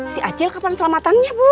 si acil kapan selamatannya bu